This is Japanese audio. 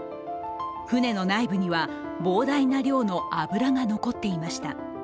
船の内部には、膨大な量の油が残っていました。